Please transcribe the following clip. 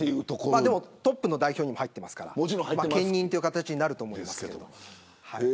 トップの代表にも入ってますから兼任という形だと思いますけど。